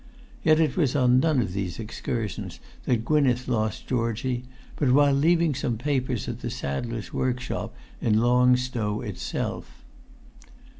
Yet it was on none of these excursions that Gwynneth lost Georgie, but while leaving some papers at the saddler's workshop, in Long Stow itself.